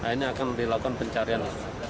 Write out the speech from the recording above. ini akan dilakukan pencarian